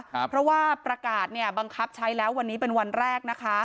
เพราะว่าประกาศเนี่ยบังคับใช้แล้ววันนี้เป็นวันแรกนะคะ